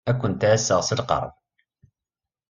Ad kent-ɛasseɣ s lqerb.